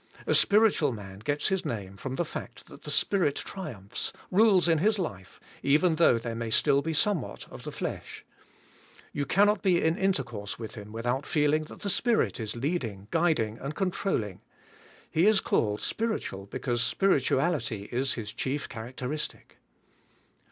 A spiritual man g ets his name from the fact that the Spirit triumphs, rules in his life, even thoug h there may still be somewhat of the flesh. You cannot be in intercourse with him without feeling that the Spirit is leading , g uiding and contrcling . He is called spiritual because spirituality is his chief character istic.